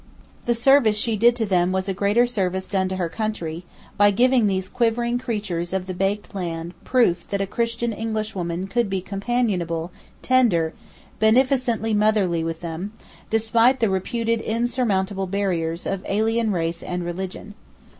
The service she did to them was a greater service done to her country, by giving these quivering creatures of the baked land proof that a Christian Englishwoman could be companionable, tender, beneficently motherly with them, despite the reputed insurmountable barriers of alien race and religion.